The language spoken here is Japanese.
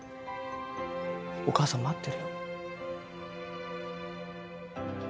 お母さん待ってるよ。